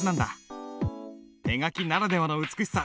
手書きならではの美しさ